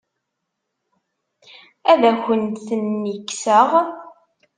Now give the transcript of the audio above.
Ad akent-ten-kkseɣ?